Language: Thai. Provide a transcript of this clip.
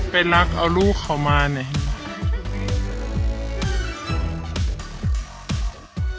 ไปรักเอาลูกเขามาเนี่ย